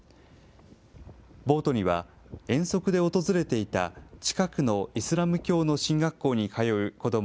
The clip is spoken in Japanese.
ボートには遠足で訪れていた近くのイスラム教の神学校に通う子ども